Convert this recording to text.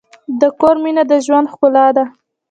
د کور مینه د ژوند ښکلا ده.